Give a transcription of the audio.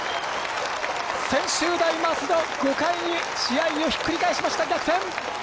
専修大松戸５回に試合をひっくり返しました逆転！